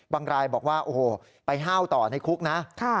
รายบอกว่าโอ้โหไปห้าวต่อในคุกนะ